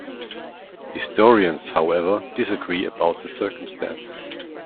Historians, however, disagree about the circumstances.